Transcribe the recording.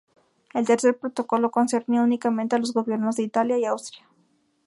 El tercer Protocolo concernía únicamente a los Gobiernos de Italia y Austria.